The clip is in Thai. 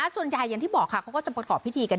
ส่วนใหญ่อย่างที่บอกค่ะเขาก็จะประกอบพิธีกัน